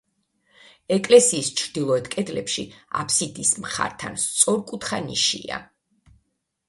ეკლესიის ჩრდილოეთ კედლებში, აფსიდის მხართან სწორკუთხა ნიშია.